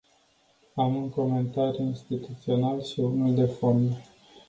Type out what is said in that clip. Am un comentariu instituțional și unul de fond.